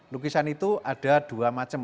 lukisan itu ada dua macam